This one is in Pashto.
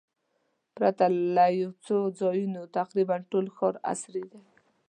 پرته له یو څو ځایونو تقریباً ټول ښار عصري دی.